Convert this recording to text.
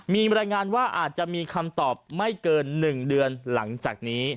มีบรรยายงานว่าอาจจะมีคำตอบไม่เกิน๑เดือนหลังจากนี้